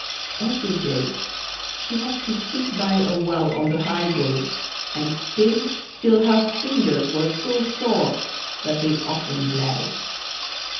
Every day she had to sit by a well on the high road, and spin till her fingers were so sore that they often bled.